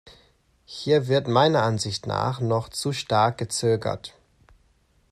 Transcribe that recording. Hier wird meiner Ansicht nach noch zu stark gezögert.